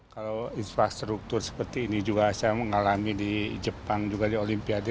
kalau infrastruktur seperti ini juga saya mengalami di jepang juga di olimpiade